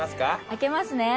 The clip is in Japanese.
開けますね